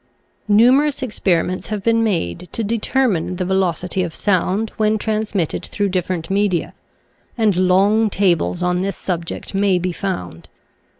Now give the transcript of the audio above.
Numerous ex periments have been made to determine the velocity of sound when transmitted through different media, and long tables on this sub ject may be found.